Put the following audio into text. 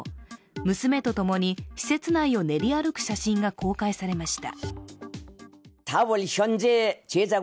娘とともに施設内を練り歩く写真が公開されました。